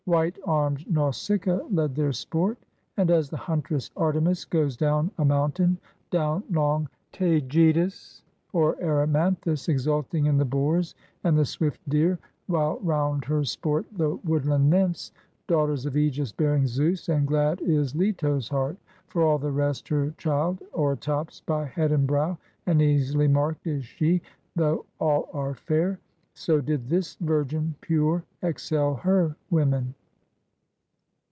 White armed Nausicaa led their sport; and as the huntress Artemis goes down a moun tain, down long Taygetus or Erymanthus, exulting in the boars and the swift deer, while round her sport the woodland nymphs, daughters of aegis bearing Zeus, and glad is Leto's heart, for all the rest her child o'ertops by head and brow, and easily marked is she, though all are fair; so did this virgin pure excel her women.